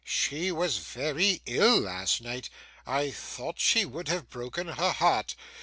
'She was very ill last night. I thought she would have broken her heart.